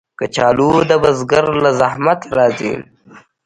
کچالو د بزګر له زحمته راځي